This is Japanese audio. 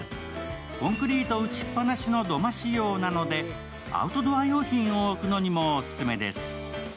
コンクリート打ちっ放しの土間仕様なので、アウトドア用品を置くのにもオススメです。